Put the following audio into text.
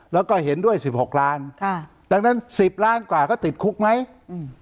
แล้วก็เห็นด้วยสิบหกล้านค่ะดังนั้นสิบล้านกว่าก็ติดคุกไหมอืม